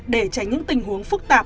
để tránh những tình huống phức tạp